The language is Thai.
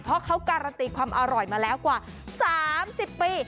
เพราะเขาการันตีความอร่อยมาแล้วกว่า๓๐ปี